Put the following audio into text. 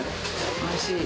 おいしい。